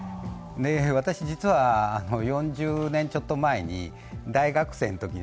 私、実は４０年ちょっと前に大学生のときに